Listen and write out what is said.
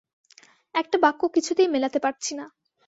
একটা বাক্য কিছুতেই মেলাতে পারছিনা।